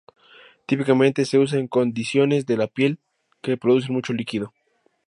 Típicamente se usa en condiciones de la piel que producen mucho líquido.